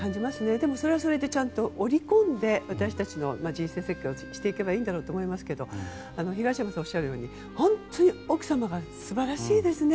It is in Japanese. でも、それはそれでちゃんと織り込んで私たちの人生設計をしていけばいいんだろうと思いますけど東山さんがおっしゃるように本当に奥様が素晴らしいですね。